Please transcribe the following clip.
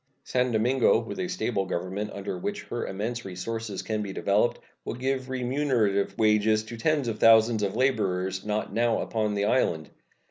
San Domingo, with a stable government, under which her immense resources can be developed, will give remunerative wages to tens of thousands of laborers not now upon the island.